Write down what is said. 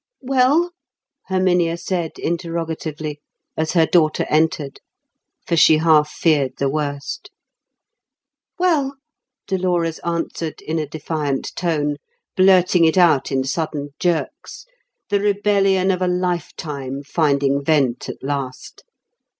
"Well?" Herminia said interrogatively, as her daughter entered, for she half feared the worst. "Well," Dolores answered in a defiant tone, blurting it out in sudden jerks, the rebellion of a lifetime finding vent at last.